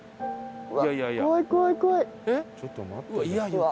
ちょっと待って。